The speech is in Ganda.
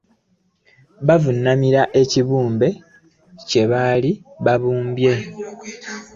Bavunnamira ekibumbe kyebaali babumbye .